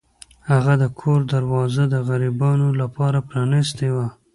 هغه د کور دروازه د غریبانو لپاره پرانیستې وه.